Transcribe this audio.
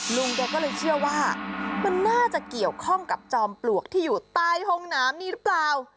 ลุงแกก็เลยเชื่อว่ามันน่าจะเกี่ยวข้องกับจอมปลวกที่อยู่ใต้ห้องน้ำนี่หรือเปล่า